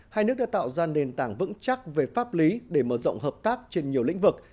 hai nước đã tạo ra nền tảng vững chắc về pháp lý để mở rộng hợp tác trên nhiều lĩnh vực